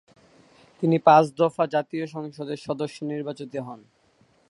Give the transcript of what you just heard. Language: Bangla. তিনি পাঁচ দফা জাতীয় সংসদের সদস্য নির্বাচিত হন।